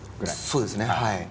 そうですねはい。